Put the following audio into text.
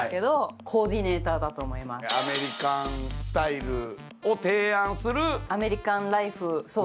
アメリカンスタイルを提案する。